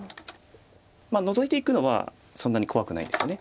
ノゾいていくのはそんなに怖くないです。